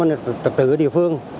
an ninh trật tự ở địa phương